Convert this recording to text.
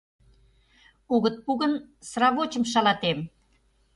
Огыт пу гын, сравочым шалатем.